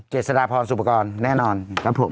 เจษฎาพรสุปกรณ์แน่นอนครับผม